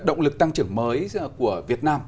thì động lực tăng trưởng mới của việt nam